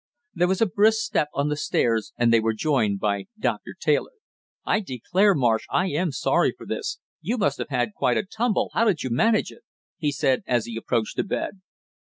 There was a brisk step on the stairs and they were joined by Doctor Taylor. "I declare, Marsh, I am sorry for this. You must have had quite a tumble, how did you manage it?" he said, as he approached the bed.